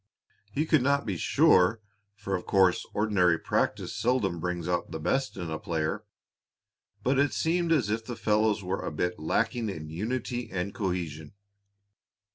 He could not be quite sure, for of course ordinary practice seldom brings out the best in a player, but it seemed as if the fellows were a bit lacking in unity and cohesion.